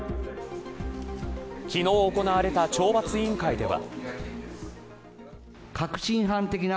昨日行われた懲罰委員会では。